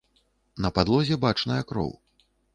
На падлозе бачная кроў.